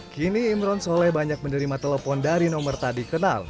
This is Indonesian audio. kini imron soleh banyak menerima telepon dari nomor tadi kenal